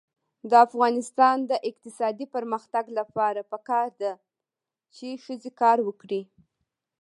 د افغانستان د اقتصادي پرمختګ لپاره پکار ده چې ښځې کار وکړي.